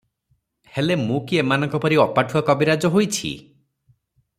ହେଲେ ମୁଁ କି ଏମାନଙ୍କପରି ଅପାଠୁଆ କବିରାଜ ହୋଇଛି?